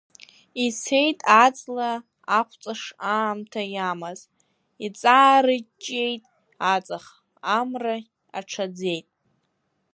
Ицеит аҵла ахәҵыш аамҭа иамаз, иҵаарыҷҷеит аҵых, амра аҽаӡеит.